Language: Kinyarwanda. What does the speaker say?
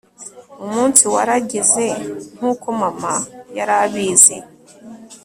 umunsi warageze, nkuko mama yari abizi